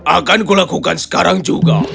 akan kulakukan sekarang juga